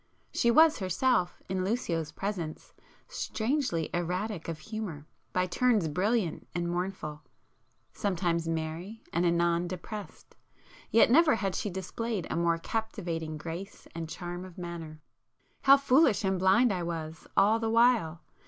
She was herself, in Lucio's presence, strangely erratic of humour, by turns brilliant and mournful,—sometimes merry and anon depressed: yet never had she displayed a more captivating grace and charm of manner. How foolish and blind I was all the while!